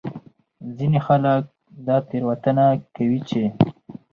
ځینې خلک دا تېروتنه کوي چې